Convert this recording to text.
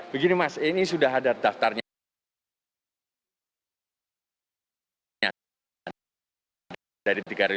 begini mas ini sudah ada daftarnya